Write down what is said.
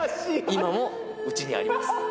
今もうちにあります